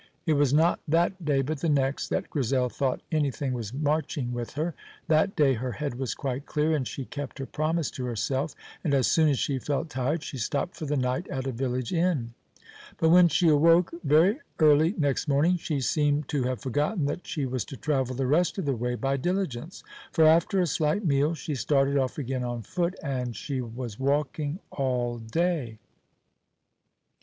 It was not that day, but the next, that Grizel thought anything was marching with her. That day her head was quite clear, and she kept her promise to herself, and as soon as she felt tired she stopped for the night at a village inn. But when she awoke very early next morning she seemed to have forgotten that she was to travel the rest of the way by diligence; for, after a slight meal, she started off again on foot, and she was walking all day.